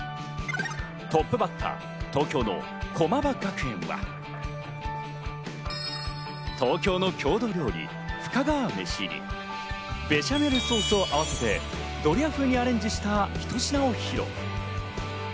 トップバッター東京の駒場学園は、東京の郷土料理・深川めしにベシャメルソースを合わせてドリア風にアレンジしたひと品を披露。